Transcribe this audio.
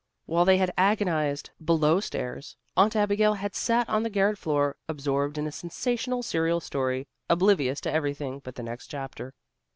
While they had agonized below stairs, Aunt Abigail had sat on the garret floor, absorbed in a sensational serial story, oblivious to everything but the next chapter.